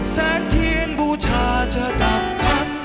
แสงเทียนบูชาจะดับพัง